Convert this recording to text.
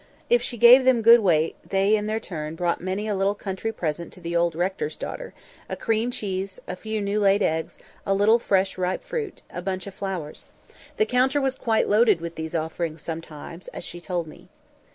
If she gave them good weight, they, in their turn, brought many a little country present to the "old rector's daughter"; a cream cheese, a few new laid eggs, a little fresh ripe fruit, a bunch of flowers. The counter was quite loaded with these offerings sometimes, as she told me.